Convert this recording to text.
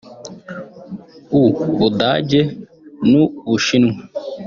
u Budage n’u Bushinwa